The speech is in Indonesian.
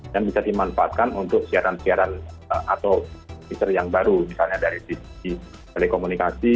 dan bisa dimanfaatkan untuk siaran siaran atau fitur yang baru misalnya dari sisi telekomunikasi